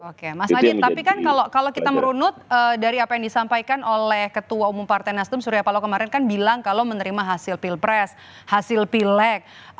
oke mas nadid tapi kan kalau kita merunut dari apa yang disampaikan oleh ketua umum partai nasdem surya paloh kemarin kan bilang kalau menerima hasil pilpres hasil pilek